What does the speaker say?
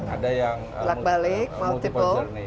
ada yang multiple journey